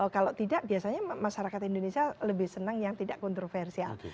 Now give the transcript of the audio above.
kalau tidak biasanya masyarakat indonesia lebih senang yang tidak kontroversial